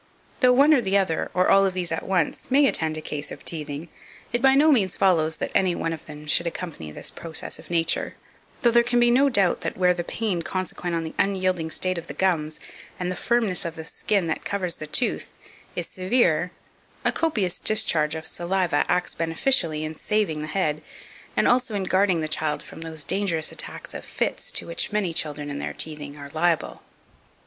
Though one or other, or all of these at once, may attend a case of teething, it by no means follows that any one of them should accompany this process of nature, though there can be no doubt that where the pain consequent on the unyielding state of the gums, and the firmness of the skin that covers the tooth, is severe, a copious discharge of saliva acts beneficially in saving the head, and also in guarding the child from those dangerous attacks of fits to which many children in their teething are liable.